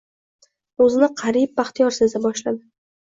O’zini qariyb baxtiyor seza boshladi.